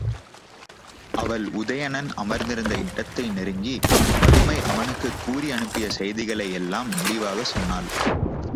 அவள் உதயணன் அமர்ந்திருந்த இடத்தை நெருங்கிப் பதுமை அவனுக்குக் கூறி அனுப்பிய செய்திகளை எல்லாம் விரிவாகச் சொன்னாள்.